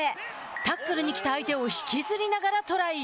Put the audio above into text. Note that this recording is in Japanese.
タックルに来た相手を引きずりながらトライ。